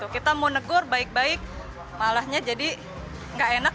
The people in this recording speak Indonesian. kita mau negur baik baik malahnya jadi nggak enak